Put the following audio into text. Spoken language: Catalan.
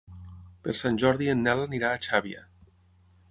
Per Sant Jordi en Nel anirà a Xàbia.